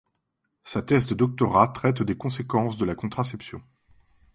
Sa thèse de doctorat traite des conséquences de la contraception.